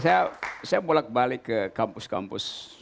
saya bolak balik ke kampus kampus